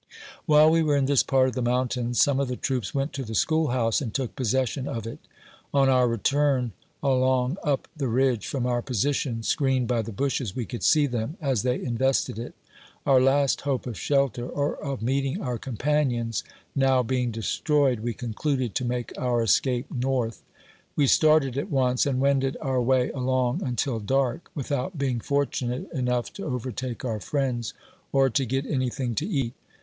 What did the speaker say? While we were in this part of the mountains, some of the troops went to the school house, and took possession of it. On our return along up the ridge, from our positidb, screened ' by "the "bushes, we could see them as they invested! it. Our * last 'tope or shelter, or of meeting our companions, now II AZ. LETT BREAKS DOWN. 53 being destroyed, we concluded to make our escape North. We started at once, and wended our way along until dark, without being fortunate enough to overtake our friends, or to get any thing to eat.